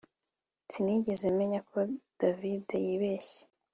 Sinigeze menya ko David yibeshye